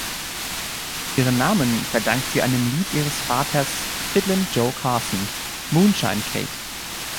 Ihren Namen verdankt sie einem Lied ihres Vaters Fiddlin’ John Carson, "Moonshine Kate".